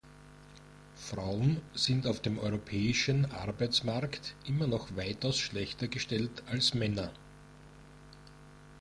Frauen sind auf dem europäischen Arbeitsmarkt immer noch weitaus schlechter gestellt als Männer.